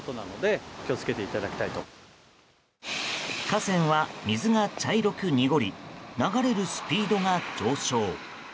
河川は水が茶色く濁り流れるスピードが上昇。